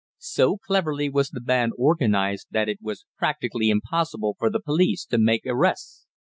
So cleverly was the band organized that it was practically impossible for the police to make arrests.